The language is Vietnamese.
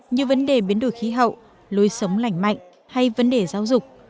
như vấn đề biến đổi khí hậu lối sống lành mạnh hay vấn đề giáo dục